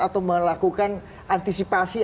atau melakukan antisipasi